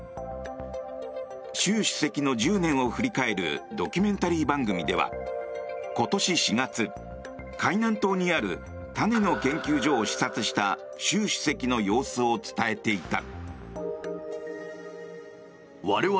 習主席の１０年を振り返るドキュメンタリー番組では今年４月、海南島にある種の研究所を視察した習主席の様子を伝えていた。